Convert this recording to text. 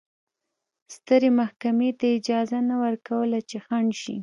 سترې محکمې ته اجازه نه ورکوله چې خنډ شي.